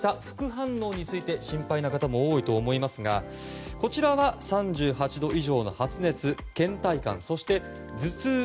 副反応について心配な方も多いと思いますがこちらは３８度以上の発熱、倦怠感そして頭痛。